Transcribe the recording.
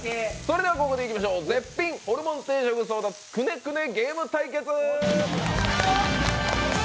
ここでいきましょう、絶品ホルモン定食争奪戦くねくねゲーム対決！